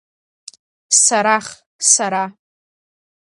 Сарах, сара…